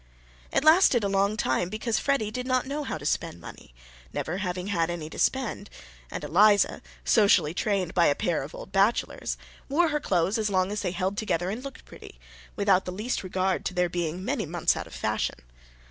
It lasted a long time because Freddy did not know how to spend money, never having had any to spend, and Eliza, socially trained by a pair of old bachelors, wore her clothes as long as they held together and looked pretty, without the least regard to their being many months out of fashion.